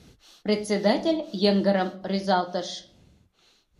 Председатель йыҥгырым рӱзалтыш.